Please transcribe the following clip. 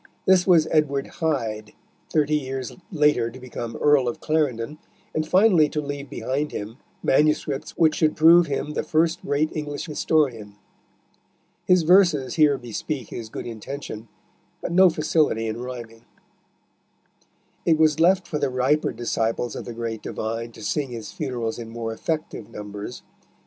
This was Edward Hyde, thirty years later to become Earl of Clarendon, and finally to leave behind him manuscripts which should prove him the first great English historian. His verses here bespeak his good intention, but no facility in rhyming. It was left for the riper disciples of the great divine to sing his funerals in more effective numbers.